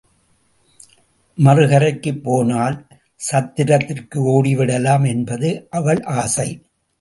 மறுகரைக்குப் போனால் சத்திரத்திற்கு ஓடிவிடலாம் என்பது அவள் ஆசை.